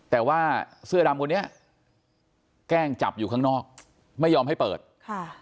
แต่ว่าเสื้อดำคนนี้แกล้งจับอยู่ข้างนอกไม่ยอมให้เปิดค่ะ